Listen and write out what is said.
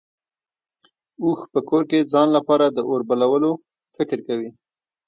اوښ په کور کې ځان لپاره د اور بلولو فکر کوي.